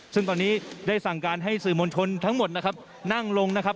ซึ่งตอนนี้ได้สั่งการให้สื่อมวลชนทั้งหมดนะครับนั่งลงนะครับ